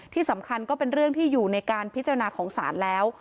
ที่สำคัญก็เป็นเรื่องที่อยู่ในการพิจารณาของศาลแล้ว